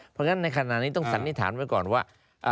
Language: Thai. เพราะฉะนั้นในขณะนี้ต้องสันนิษฐานไว้ก่อนว่า